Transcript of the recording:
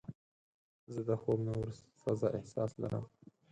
زه د خوب نه وروسته تازه احساس لرم.